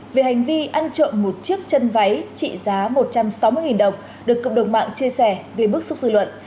về hành vi ăn trộm một chiếc chân váy trị giá một trăm sáu mươi đồng được cộng đồng mạng chia sẻ gây bức xúc dư luận